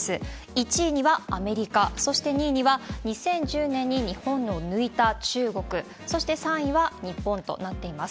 １位にはアメリカ、そして２位には２０１０年に日本を抜いた中国、そして３位は日本となっています。